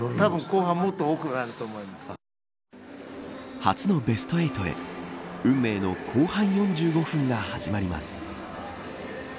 初のベスト８へ運命の後半４５分が始まります。